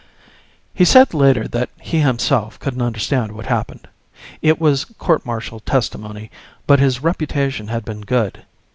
He said later that he himself couldn't understand what happened. It was court martial testimony, but his reputation had been good.